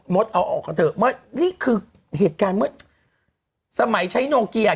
หมดเอาออกนะเถอะเนี้ยนี่คือเหตุงานเมื่อสมัยใช้โนกรียา